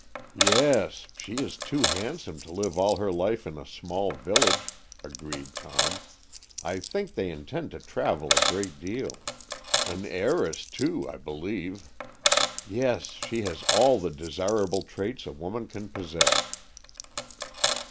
"Yes, she is too handsome to live all her life in a small village," agreed Tom. "I think they intend to travel a great deal." "An heiress, too, I believe." "Yes, she has all the desirable traits a woman can possess."